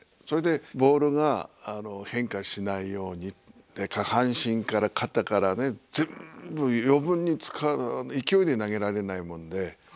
それでボールが変化しないように下半身から肩から全部余分に使う勢いで投げられないもんで。